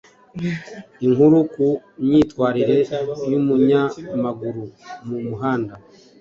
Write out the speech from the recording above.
inkuru ku myitwarire y’umunyamaguru mu muhanda